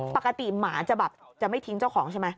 หมาจะแบบจะไม่ทิ้งเจ้าของใช่ไหม